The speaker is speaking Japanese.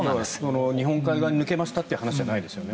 日本海側に抜けましたという話ではないですね。